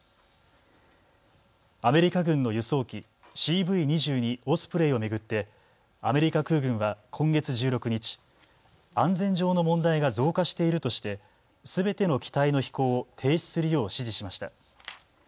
アメリカ軍の輸送機、ＣＶ２２オスプレイを巡ってアメリカ空軍は今月１６日、安全上の問題が増加しているとしてすべての機体の飛行を停止するよう指示しました。